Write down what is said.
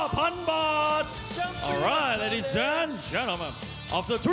เพื่อรักษา